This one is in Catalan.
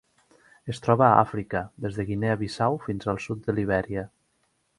Es troba a Àfrica: des de Guinea Bissau fins al sud de Libèria.